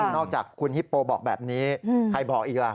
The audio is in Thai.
นอกจากคุณฮิปโปบอกแบบนี้ใครบอกอีกล่ะ